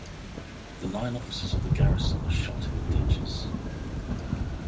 The nine officers of the garrison are shot in the ditches.